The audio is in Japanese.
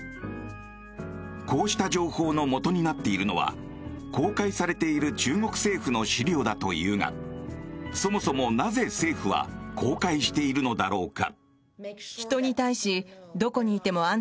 こうした情報の元になっているのは公開されている中国政府の資料だというがそもそも、なぜ政府は公開しているのだろうか？